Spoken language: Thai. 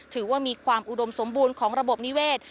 ถือว่ามีความอุดมสมบูรณ์ของระบบนิเวศ